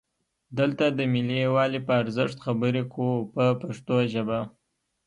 دلته د ملي یووالي په ارزښت خبرې کوو په پښتو ژبه.